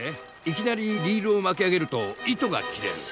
いきなりリールを巻き上げると糸が切れる。